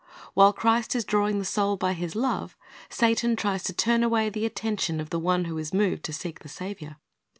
While Christ is drawing the soul by His love, Satan tries to turn away the attention of the one who is moved to seek the Saviour.